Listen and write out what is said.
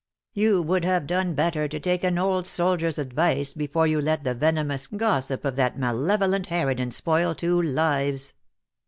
You would have done better to take an old soldier's advice before you let the venomous gossip of that malevolent harridan spoil two lives.''